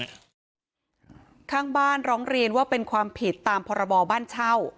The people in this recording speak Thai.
ข้างบ้านร้องเรียนว่าเป็นความผิดตามพรบบ้านเช่า